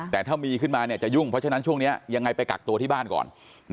แต่ถ้ามีขึ้นมาจะยุ่งเพราะฉะนั้นช่วงนี้ยังไงไปกักตัวที่บ้านก่อน